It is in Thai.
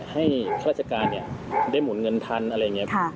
ข้าราชการได้หมุนเงินทันอะไรอย่างนี้